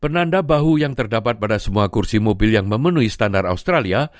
penanda bahu yang terdapat pada semua kursi mobil yang memenuhi standar australia